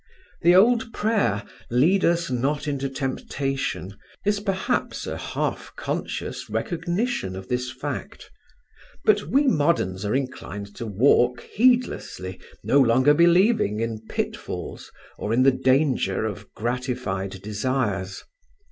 The old prayer: Lead us not into temptation, is perhaps a half conscious recognition of this fact. But we moderns are inclined to walk heedlessly, no longer believing in pitfalls or in the danger of gratified desires.